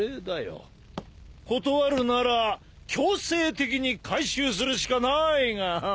断るなら強制的に回収するしかないが。